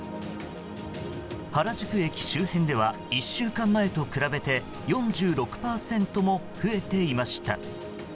原宿駅周辺では１週間前と比べて４６％も増えていました。